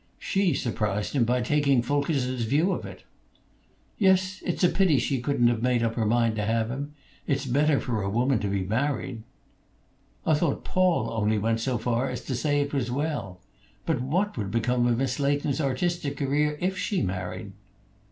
She surprised him by taking Fulkerson's view of it. "Yes, it's a pity she couldn't have made up her mind to have him. It's better for a woman to be married." "I thought Paul only went so far as to say it was well. But what would become of Miss Leighton's artistic career if she married?"